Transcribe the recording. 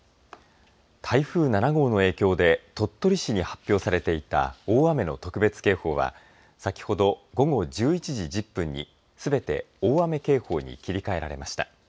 台風７号の影響で鳥取市に発表されていた大雨の特別警報は先ほど午後１１時１０分にすべて大雨警報に切り替えられました。